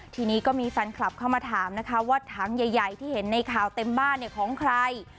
ทีนี้ก็มีแฟนคลับเข้ามาถามนะคะว่าถังใหญ่ที่เห็นในข่าวเต็มบ้านเนี่ยของใคร